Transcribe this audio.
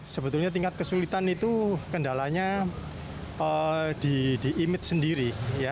sebetulnya tingkat kesulitan itu kendalanya di image sendiri